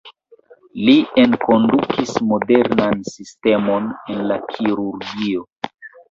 Li enkondukis modernan sistemon en la kirurgio.